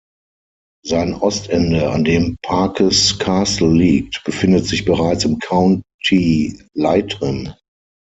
Sein Ostende, an dem Parke’s Castle liegt, befindet sich bereits im County Leitrim.